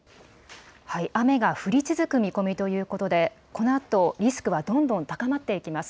雨が降り続く見込みということで、このあと、リスクはどんどん高まっていきます。